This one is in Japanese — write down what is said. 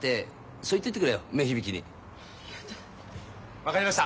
分かりました。